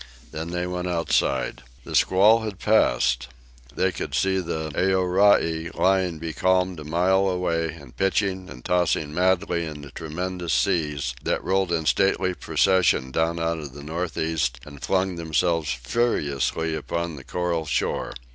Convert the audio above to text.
Then they went outside. The squall had passed. They could see the Aorai lying becalmed a mile away and pitching and tossing madly in the tremendous seas that rolled in stately procession down out of the northeast and flung themselves furiously upon the coral shore.